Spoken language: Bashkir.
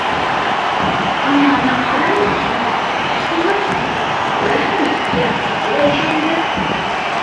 — Ана, ана, ҡара әле, Хөснулла, Хөснулла, тим, күрәһеңме, ике яҡ сите лә ишелде!